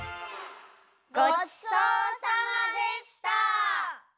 ごちそうさまでした！